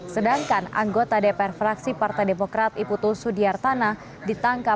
sedangkan anggota dpr fraksi partai demokrat iputu sudiartana ditangkap